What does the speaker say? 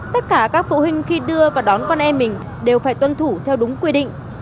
tất cả các phụ huynh khi đưa và đón con em mình đều phải tuân thủ theo đúng quy định